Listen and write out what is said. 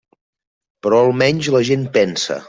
Però almenys la gent pensa.